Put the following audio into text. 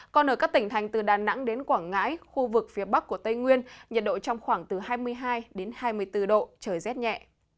còn ở các tỉnh thành từ đà nẵng đến quảng ngãi khu vực phía bắc của tây nguyên nhiệt độ trong khoảng từ hai mươi hai đến hai mươi bốn độ trời rét nhẹ